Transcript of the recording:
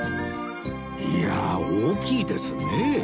いやあ大きいですね